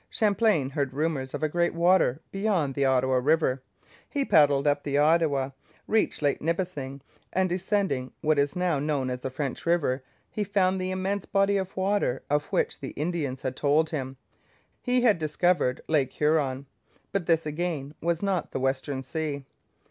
Champlain heard rumours of a great water beyond the Ottawa river. He paddled up the Ottawa, reached Lake Nipissing, and, descending what is now known as French River, found the immense body of water of which the Indians had told him. He had discovered Lake Huron, but this, again, was not the Western Sea.